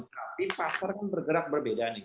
tapi pasar kan bergerak berbeda nih